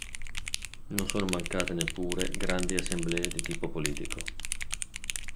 Non sono mancate neppure grandi assemblee di tipo politico.